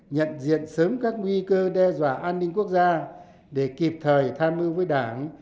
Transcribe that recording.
nhận diện sớm các nguy cơ đe dọa an ninh quốc gia để kịp thời tham mưu với đảng